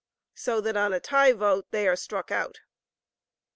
so that on a tie vote they are struck out.